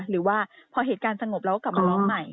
หรือว่าพอเหตุการณ์สงบเราก็กลับมาร้องใหม่